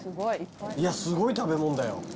いやすごい食べ物だよ。